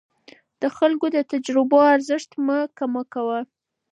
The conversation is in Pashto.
د خلکو د تجربو ارزښت مه کم کوه.